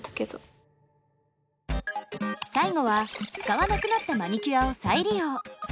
最後は使わなくなったマニキュアを再利用。